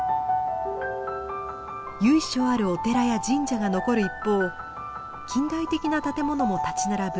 由緒あるお寺や神社が残る一方近代的な建物も立ち並ぶ